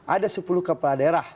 ada sepuluh kepala daerah